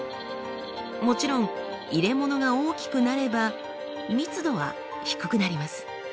もちろん入れ物が大きくなれば密度は低くなります。